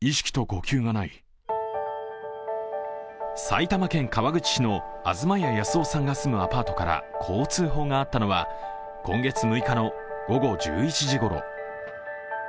埼玉県川口市の東谷靖男さんが住むアパートからこう通報があったのは今月６日の午後１１時ごろ。